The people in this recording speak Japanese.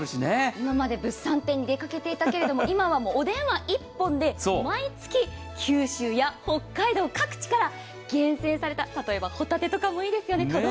今まで物産展に出かけていたけれども今はお電話１本で、毎月、九州や北海道各地から厳選された、例えばホタテとかもいいですよね。